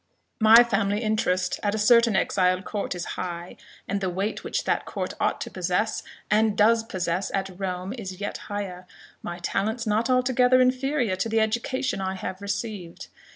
My family interest at a certain exiled court is high, and the weight which that court ought to possess, and does possess, at Rome is yet higher my talents not altogether inferior to the education I have received.